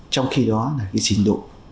trong khi đó là cái trình độ